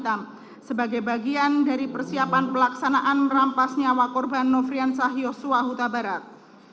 dan menjelaskan alasan penembakan terhadap korban nofrian sahyus wahuda barat